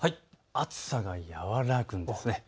暑さが和らぐんです。